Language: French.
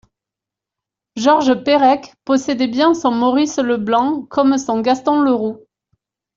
Georges Perec possédait bien son Maurice Leblanc, comme son Gaston Leroux.